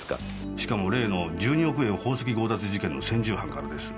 しかも例の１２億円宝石強奪事件の専従班からです。